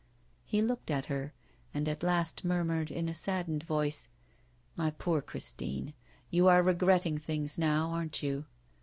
He looked at her, and at last murmured, in a saddened voice: 'My poor Christine, you are regretting things now, aren't you?